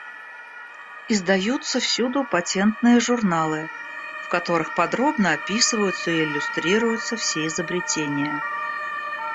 Издаются всюду патентные журналы, в которых подробно описываются и иллюстрируются все изобретения.